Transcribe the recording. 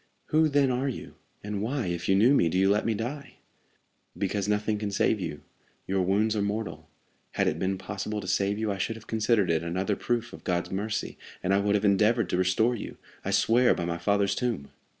"Who, then, are you? and why, if you knew me, do you let me die?" "Because nothing can save you; your wounds are mortal. Had it been possible to save you, I should have considered it another proof of God's mercy, and I would again have endeavored to restore you, I swear by my father's tomb."